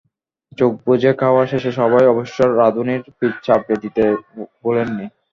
চোখ বুজে খাওয়া শেষে সবাই অবশ্য রাঁধুনির পিঠ চাপড়ে দিতে ভোলেননি।